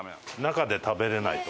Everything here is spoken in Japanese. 中で食べれないと。